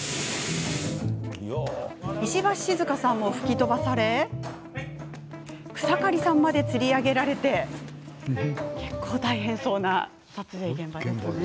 石橋静河さんも吹き飛ばされ草刈さんまでつり上げられて撮影、大変そうですね。